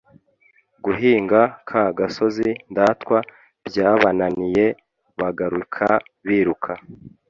guhinga ka gasozi ndatwa byabananiye bagaruka biruka.